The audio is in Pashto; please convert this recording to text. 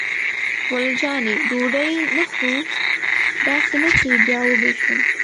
ګل جانې: ډوډۍ نه خورو؟ داسې نه چې بیا وږې شم.